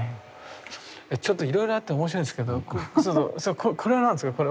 ちょっといろいろあって面白いんですけどこれは何ですか？